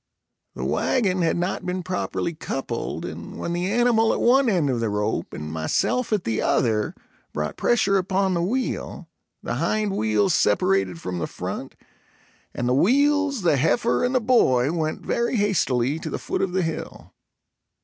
The wagon had not been properly coupled, and when the animal at one end of the rope and myself at the other brought pressure upon the wheel, the hind wheels separated from the front, and the wheels, the heifer and the boy, went very hastily to the foot of the hill.